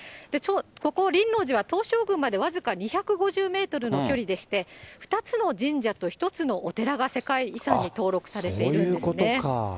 ここ、輪王寺は、東照宮まで僅か２５０メートルの距離でして、２つの神社と１つのお寺が世界遺産に登録されているんですね。